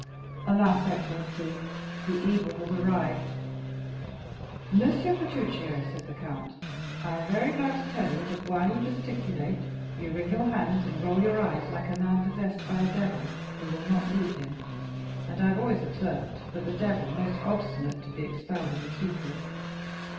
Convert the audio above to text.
"Alas! excellency, the evil has arrived!" "M. Bertuccio," said the count, "I am very glad to tell you, that while you gesticulate, you wring your hands and roll your eyes like a man possessed by a devil who will not leave him; and I have always observed, that the devil most obstinate to be expelled is a secret.